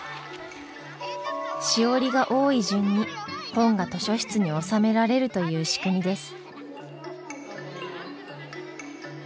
しおりが多い順に本が図書室に納められるという仕組みです。